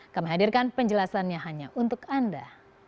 kami hadirkan penjelasannya hanya untuk anda